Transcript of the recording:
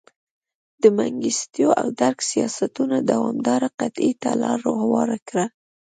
د منګستیو او درګ سیاستونو دوامداره قحطۍ ته لار هواره کړه.